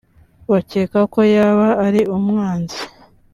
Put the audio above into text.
bakeka ko yaba ari umwanzi